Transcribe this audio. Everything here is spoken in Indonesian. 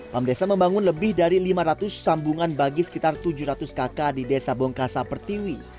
pamdesa membangun lebih dari lima ratus sambungan bagi sekitar tujuh ratus kakak di desa bongka sapertiwi